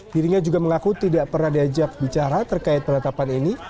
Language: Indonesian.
dirinya juga mengaku tidak pernah diajak bicara terkait penetapan ini